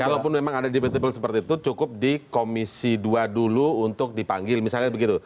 kalaupun memang ada debatable seperti itu cukup di komisi dua dulu untuk dipanggil misalnya begitu